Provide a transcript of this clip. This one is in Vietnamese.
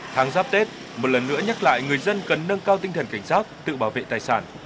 tháng giáp tết một lần nữa nhắc lại người dân cần nâng cao tinh thần cảnh sát tự bảo vệ tài sản